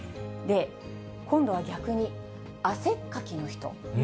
今度は逆に、汗っかきの人。